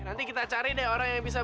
nanti kita cari deh orang yang bisa